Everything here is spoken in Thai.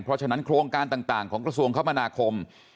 เพราะฉะนั้นโครงการต่างของกระทรวงคมนาคม